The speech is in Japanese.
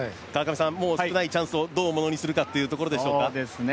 少ないチャンスをどうものにするかっていうところでしょうか。